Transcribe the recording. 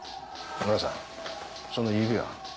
村さんその指は？